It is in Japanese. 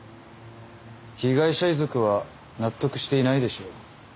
被害者遺族は納得していないでしょう。